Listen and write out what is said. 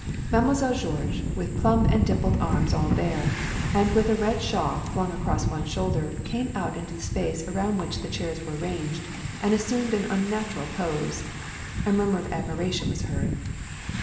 Mademoiselle Georges, with plump and dimpled arms all bare, and with a red shawl flung across one shoulder, came out into the space around which the chairs were ranged, and assumed an unnatural pose. A murmur of admiration was heard.